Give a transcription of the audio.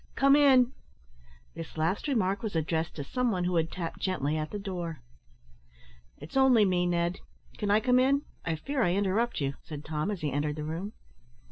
Come in!" This last remark was addressed to some one who had tapped gently at the door. "It's only me, Ned; can I come in? I fear I interrupt you," said Tom, as he entered the room.